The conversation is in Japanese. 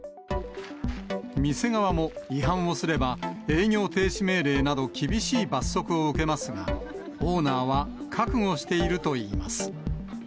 店側も、違反をすれば営業停止命令など、厳しい罰則を受けますが、オーナーは覚悟しているといいます。